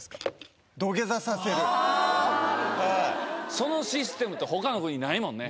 そのシステムって他の国ないもんね。